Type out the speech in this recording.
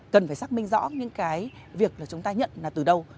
cần phải xác minh rõ những cái việc là chúng ta nhận là từ đâu